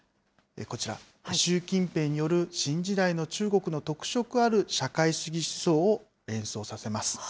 こちら、習近平による新時代の中国の特色ある社会主義思想を連想させます。